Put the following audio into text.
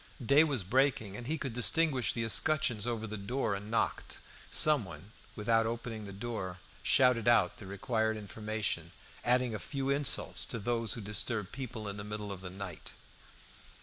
Day was breaking, and he could distinguish the escutcheons over the door, and knocked. Someone, without opening the door, shouted out the required information, adding a few insults to those who disturb people in the middle of the night.